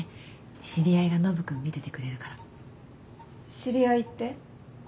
知り合いって？